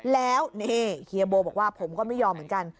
แล้วนี่เฮียโบบอกว่าผมก็ไม่ยอมเหมือนกัน